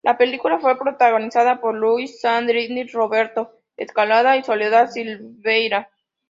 La película fue protagonizada por Luis Sandrini, Roberto Escalada y Soledad Silveira.